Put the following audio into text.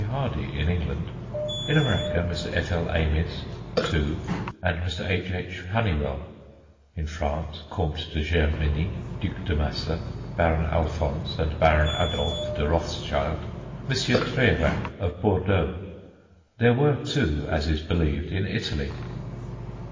Hardy, in England; in America, Mr. F.L. Ames, two, and Mr. H.H. Hunnewell; in France, Comte de Germiny, Duc de Massa, Baron Alphonse and Baron Adolf de Rothschild, M. Treyeran of Bordeaux. There were two, as is believed, in Italy.